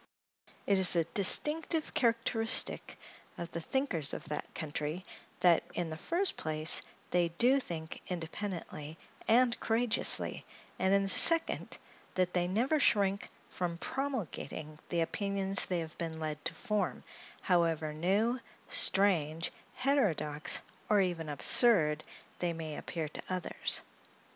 It is a distinctive characteristic of the thinkers of that country, that, in the first place, they do think independently and courageously; and, in the second, that they never shrink from promulgating the opinions they have been led to form, however new, strange, heterodox, or even absurd, they may appear to others.